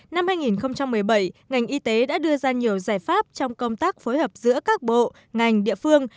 năm hai nghìn một mươi bảy ngành y tế đã đưa ra nhiều giải pháp trong công tác phối hợp giữa các bộ ngành địa phương